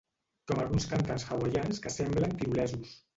Com alguns cantants hawaians que semblen tirolesos.